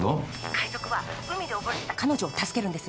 ☎海賊は海で溺れてた彼女を助けるんです。